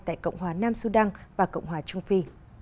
tại cộng hòa nam sudan và cộng hòa trung phi